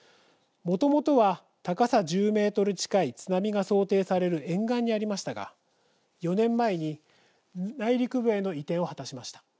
もともとは高さ１０メートル近い津波が想定される沿岸にありましたが４年前に内陸部への移転を果たしました。